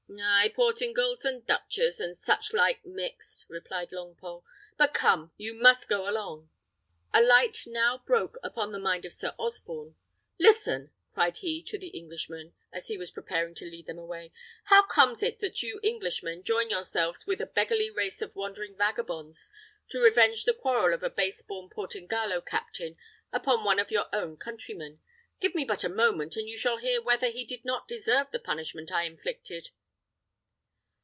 "Ay, Portingals and Dutchers, and such like mixed," replied Longpole. "But come; you must go along." A light now broke upon the mind of Sir Osborne. "Listen," cried he to the Englishman, as he was preparing to lead them away; "how comes it that you Englishmen join yourselves with a beggarly race of wandering vagabonds to revenge the quarrel of a base born Portingallo captain upon one of your own countrymen? Give me but a moment, and you shall hear whether he did not deserve the punishment I inflicted."